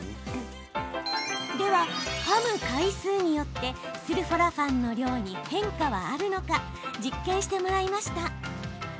では、かむ回数によってスルフォラファンの量に変化はあるのか実験してもらいました。